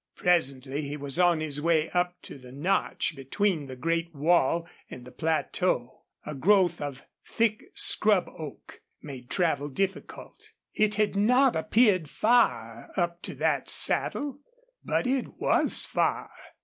Presently he was on his way up to the notch between the great wall and the plateau. A growth of thick scrub oak made travel difficult. It had not appeared far up to that saddle, but it was far.